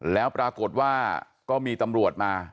แล้วปรากฏว่าก็มีตำรวจมา